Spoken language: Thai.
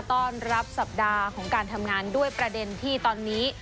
ต้อนรับสัปดาห์ของการทำงานด้วยประเด็นที่ตอนนี้